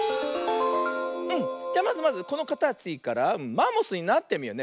じゃまずまずこのかたちからマンモスになってみようね。